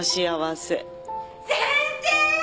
・先生！